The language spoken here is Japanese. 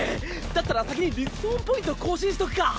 だったら先にリスポーンポイント更新しとくか。